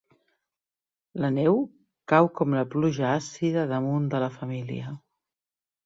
La neu cau com la pluja àcida damunt de la família.